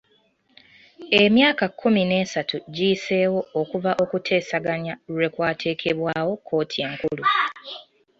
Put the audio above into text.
Emyaka kkumi n'esatu giyiseewo okuva okuteesaganya lwe kwateekebwawo kkooti enkulu.